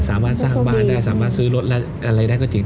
สามารถสร้างบ้านได้สามารถซื้อรถและอะไรได้ก็จริง